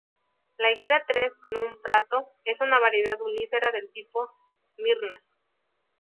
La higuera 'Tres Num Prato' es una variedad unífera, del tipo Smyrna.